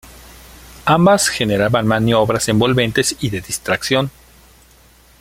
Ambas generaban maniobras envolventes y de distracción.